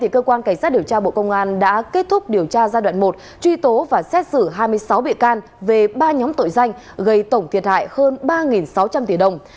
cơ quan cảnh sát điều tra bộ công an đã kết thúc điều tra giai đoạn một truy tố và xét xử hai mươi sáu bị can về ba nhóm tội danh gây tổng thiệt hại hơn ba sáu trăm linh tỷ đồng